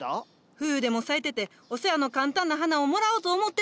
冬でも咲いててお世話の簡単な花をもらおうと思ってたんや。